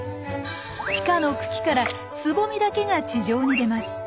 地下の茎からつぼみだけが地上に出ます。